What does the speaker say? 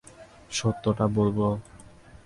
সত্যি টা বলবো?